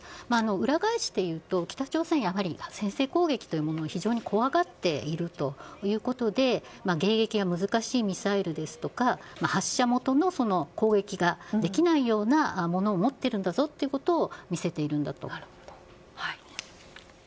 裏返して言うと北朝鮮やはり先制攻撃というものを非常に怖がっているということで迎撃が難しいミサイルですとか発射元の攻撃ができないようなものを持っているんだぞというものを見せているんだと思います。